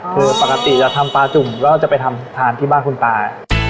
คือปกติจะทำปลาจุ่มแล้วก็จะไปทำทานที่บ้านคุณตา